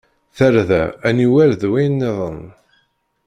Tarda, aniwel d wayen nniḍen.